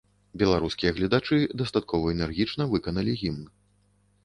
Беларускія гледачы дастаткова энергічна выканалі гімн.